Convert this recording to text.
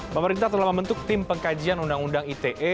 pemerintah telah membentuk tim pengkajian undang undang ite